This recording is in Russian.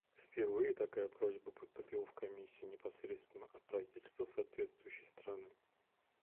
Впервые такая просьба поступила в Комиссию непосредственно от правительства соответствующей страны.